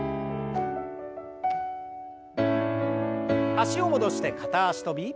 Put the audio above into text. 脚を戻して片脚跳び。